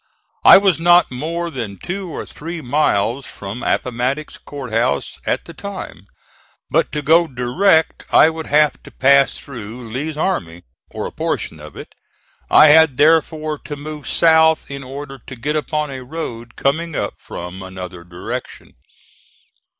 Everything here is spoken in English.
I was not more than two or three miles from Appomattox Court House at the time, but to go direct I would have to pass through Lee's army, or a portion of it. I had therefore to move south in order to get upon a road coming up from another direction.